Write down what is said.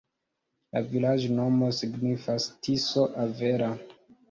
La vilaĝnomo signifas: Tiso-avela.